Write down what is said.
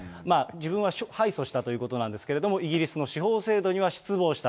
自分は敗訴したということなんですけれども、イギリスの司法制度には失望した。